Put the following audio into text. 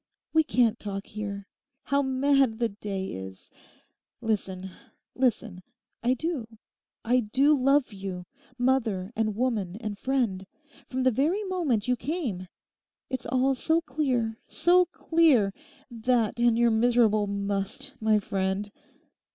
'We can't talk here. How mad the day is. Listen, listen! I do—I do love you—mother and woman and friend—from the very moment you came. It's all so clear, so clear: that, and your miserable "must," my friend.